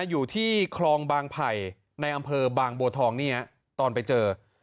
อยู่ที่คลองบางไผ่ในอำเภอบางบัวทองนี่ฮะตอนไปเจอ